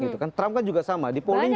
trump kan juga sama